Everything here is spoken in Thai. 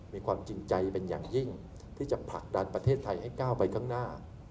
มีความจริงใจเป็นอย่างยิ่งที่จะผลักดันประเทศไทยให้ก้าวไปข้างหน้า